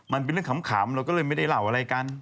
มันเป็นเรื่องขำเราก็เลยไม่ได้เล่าอะไรกัน